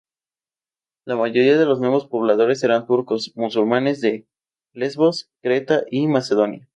La mayoría de los nuevos pobladores eran turcos musulmanes de Lesbos, Creta y Macedonia.